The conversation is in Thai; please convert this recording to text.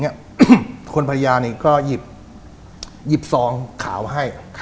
ผู้หญิงคนพระยาก็หยิบสองข่าวให้